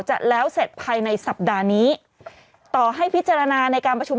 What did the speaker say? จะแล้วเสร็จภายในสัปดาห์นี้ต่อให้พิจารณาในการประชุม